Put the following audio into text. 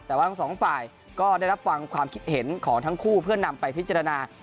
แต่ว่าทั้งสองฝ่ายก็ได้รับฟังความคิดเห็นของทั้งคู่เพื่อนำไปพิจารณา